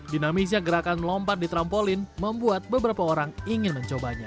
dinamisnya gerakan melompat di trampolin membuat beberapa orang ingin mencobanya